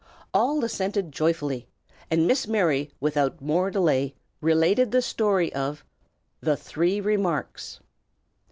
All assented joyfully, and Miss Mary, without more delay, related the story of THE THREE REMARKS.